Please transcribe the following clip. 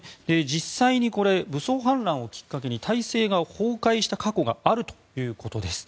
実際に武装反乱をきっかけに体制が崩壊した過去があるということです。